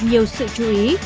nhiều sự chú ý